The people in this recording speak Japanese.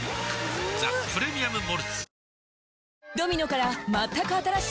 「ザ・プレミアム・モルツ」